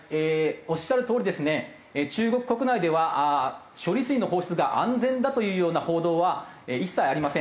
おっしゃるとおりですね中国国内では処理水の放出が安全だというような報道は一切ありません。